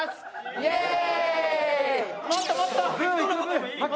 イエーイ！